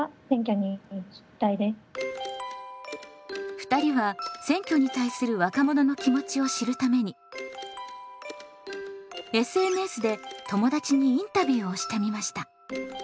２人は選挙に対する若者の気持ちを知るためにＳＮＳで友達にインタビューをしてみました。